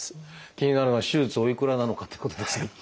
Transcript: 気になるのは手術おいくらなのかってことですが。